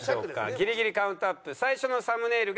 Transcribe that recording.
ギリギリカウントＵＰ最初のサムネイルがこちら。